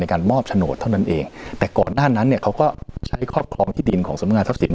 การมอบโฉนดเท่านั้นเองแต่ก่อนหน้านั้นเนี่ยเขาก็ใช้ครอบครองที่ดินของสำงานทรัพสิน